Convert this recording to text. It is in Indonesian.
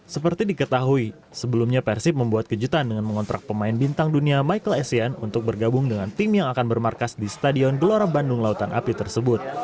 seperti diketahui sebelumnya persib membuat kejutan dengan mengontrak pemain bintang dunia michael essien untuk bergabung dengan tim yang akan bermarkas di stadion gelora bandung lautan api tersebut